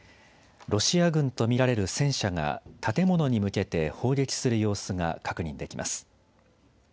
ロシア軍と見られる戦車が建物に向けて砲撃する様子が確認できます。